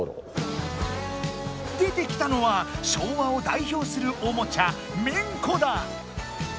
出てきたのは昭和を代表するおもちゃメンコだ！